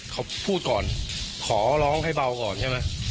เขาพูดก่อนขอร้องให้เบาก่อนใช่ไหม